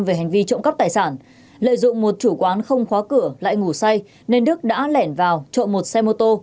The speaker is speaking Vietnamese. về hành vi trộm cắp tài sản lợi dụng một chủ quán không khóa cửa lại ngủ say nên đức đã lẻn vào trộm một xe mô tô